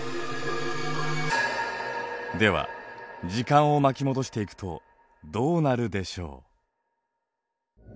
では時間を巻き戻していくとどうなるでしょう？